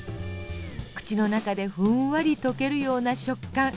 口の中でふんわり溶けるような食感。